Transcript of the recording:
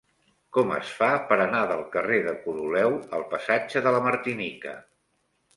Com es fa per anar del carrer de Coroleu al passatge de la Martinica?